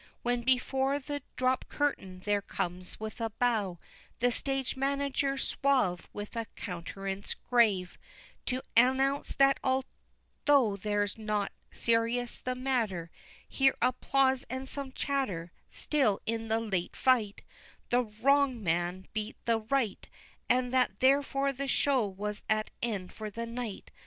When before the dropped curtain there comes with a bow The stage manager suave, With a countenance grave, To announce that although there's nought serious the matter, (Here applause and some chatter) Still, in the late fight The wrong man beat the right, And that therefore the show was at end for the night.